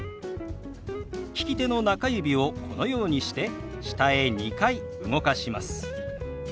利き手の中指をこのようにして下へ２回動かします。